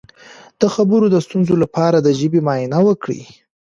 د خبرو د ستونزې لپاره د ژبې معاینه وکړئ